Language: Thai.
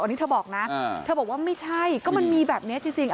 อันนี้เธอบอกนะเธอบอกว่าไม่ใช่ก็มันมีแบบนี้จริง